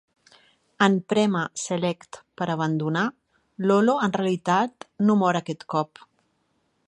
En prémer select per abandonar, Lolo en realitat no mor aquest cop.